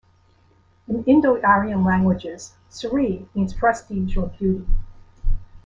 In Indo-Aryan languages, Sri means prestige or beauty.